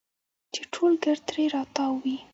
چې ټول ګرد ترې راتاو دي.